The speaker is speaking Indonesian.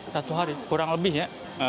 satu hari kurang lebih ya